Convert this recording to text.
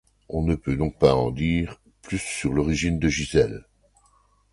On ne peut donc pas en dire plus sur l'origine de Gisèle.